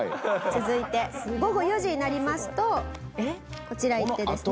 続いて午後４時になりますとこちら行ってですね。